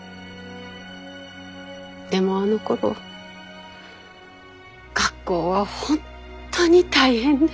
でもあのころ学校は本当に大変で。